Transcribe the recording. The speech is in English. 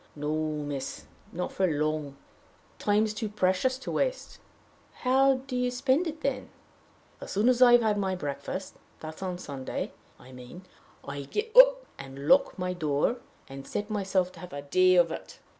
"No, miss not for long. Time's too precious to waste." "How do you spend it, then?" "As soon as I've had my breakfast that's on a Sunday, I mean I get up and lock my door, and set myself to have a day of it.